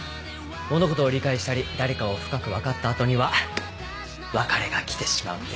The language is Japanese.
物事を理解したり誰かを深く分かった後には別れが来てしまうんですな。